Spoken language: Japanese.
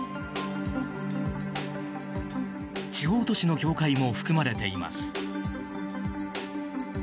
地方都市の教会も含まれています。